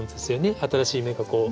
新しい芽がこう。